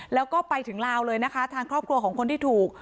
แล้วก็ไปถึงลาวเลยนะคะทางครอบครัวของคนที่ถูก